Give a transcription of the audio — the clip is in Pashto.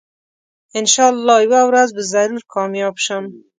انشاالله یوه ورځ به ضرور کامیاب شم